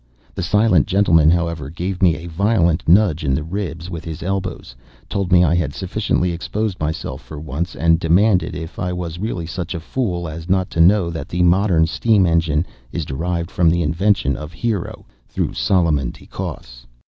The silent gentleman, however, gave me a violent nudge in the ribs with his elbows—told me I had sufficiently exposed myself for once—and demanded if I was really such a fool as not to know that the modern steam engine is derived from the invention of Hero, through Solomon de Caus.